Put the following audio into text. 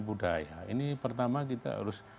budaya ini pertama kita harus